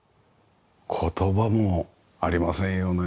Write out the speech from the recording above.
言葉もありませんよね。